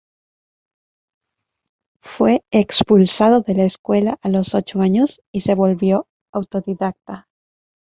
Fue expulsado de la escuela a los ocho años y se volvió autodidacta.